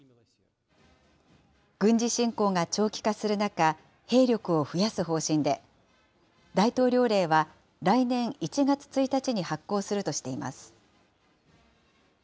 軍事侵攻が長期化する中、兵力を増やす方針で、大統領令は、来年１月１日に発効するとしています。